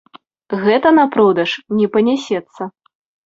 Гэта на продаж не панясецца.